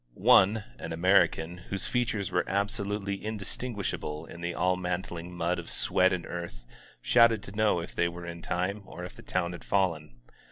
One, an American, whose features were absolutely indistinguishable in the all mantling mud of sweat and earth, shouted to know if they were in time, or if the town had fallen.